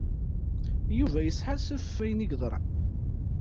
Yuba yesḥassef ɣef wayen i yeḍran.